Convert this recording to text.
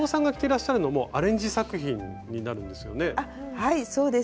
はいそうです。